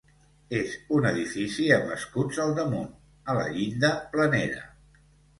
És un edifici amb escuts al damunt, a la llinda planera.